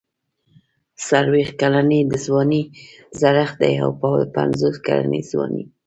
څلوېښت کلني د ځوانۍ زړښت دی او پنځوس کلني ځواني.